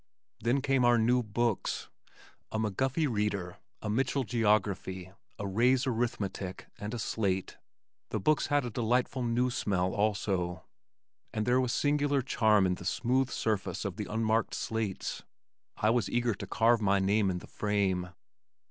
Then came our new books, a McGuffey reader, a Mitchell geography, a Ray's arithmetic, and a slate. The books had a delightful new smell also, and there was singular charm in the smooth surface of the unmarked slates. I was eager to carve my name in the frame.